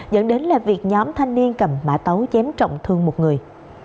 dẫn đến là việc nhóm thanh niên cầm mã tấu chém trọng thương một người